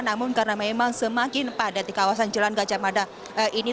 namun karena memang semakin padat di kawasan jalan gajah mada ini